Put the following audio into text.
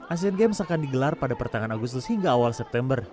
asian games akan digelar pada pertengahan agustus hingga awal september